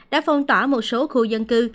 đã phong tỏa một số khu dân cư